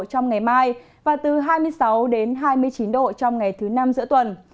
trong ngày mai và từ hai mươi sáu đến hai mươi chín độ trong ngày thứ năm giữa tuần